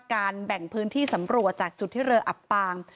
แบ่งพื้นที่สำรวจจากจุดที่เรืออับปาง